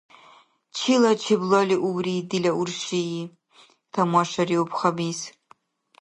— Чила чеблалиуври, дила урши? — тамашариуб Хамис.